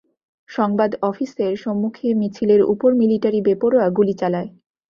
সংবাদ অফিসের সম্মুখে মিছিলের ওপর মিলিটারি বেপরোয়া গুলি চালায়।